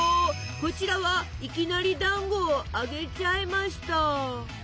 こちらはいきなりだんごを揚げちゃいました。